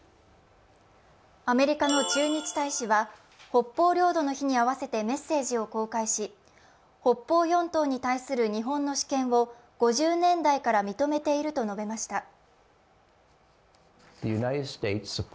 アメリカの駐日大使は北方領土の日に合わせてメッセージを公開し、北方四島に対する日本の主権を５０年代から認めていると述べました。